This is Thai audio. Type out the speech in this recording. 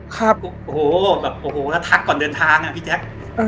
ครับโอ้โหแบบโอ้โหแล้วทักก่อนเดินทางอ่ะพี่แจ๊ค